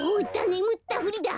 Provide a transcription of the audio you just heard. ねむったふりだ！